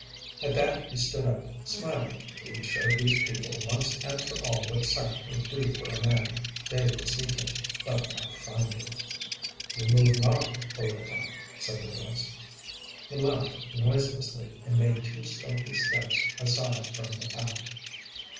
At that he stood up, smiling. He would show these people once and for all what sight would do for a man. They would seek him, but not find him. "You move not, Bogota," said the voice. He laughed noiselessly and made two stealthy steps aside from the path.